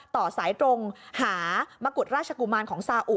ต่อสายตรงหามกุฎราชกุมารของซาอุ